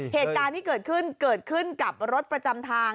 เหตุการณ์ที่เกิดขึ้นเกิดขึ้นกับรถประจำทาง